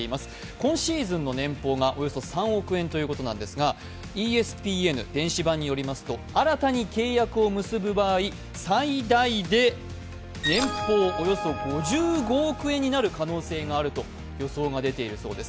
今シーズンの年俸がおよそ３億円ということですがＥＳＰＮ電子版によりますと、新たに契約を結ぶ場合、最大で年俸およそ５５億円になる可能性があるという予想が出ているようです。